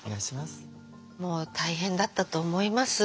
もう大変だったと思います。